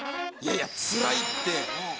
いやいやつらいって。